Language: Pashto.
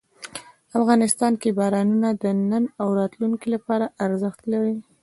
افغانستان کې باران د نن او راتلونکي لپاره ارزښت لري.